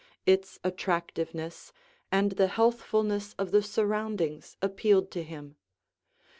Its attractiveness and the healthfulness of the surroundings appealed to him.